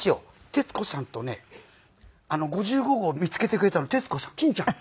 徹子さんとね５５号見つけてくれたの徹子さん。